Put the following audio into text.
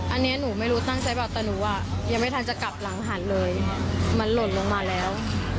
อันนี้หนูไม่รู้ตั้งใจเปล่าแต่หนูอ่ะยังไม่ทันจะกลับหลังหันเลยมันหล่นลงมาแล้ว